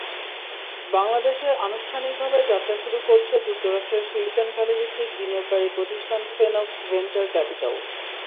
বাংলাদেশে আনুষ্ঠানিকভাবে যাত্রা শুরু করেছে যুক্তরাষ্ট্রের সিলিকন ভ্যালি-ভিত্তিক বিনিয়োগকারী প্রতিষ্ঠান ফেনক্স ভেঞ্চার ক্যাপিটাল।